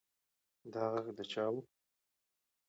دا غږ د چا و؟